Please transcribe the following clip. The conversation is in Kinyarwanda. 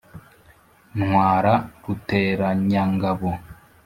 Ntwara Ruteranyangabo.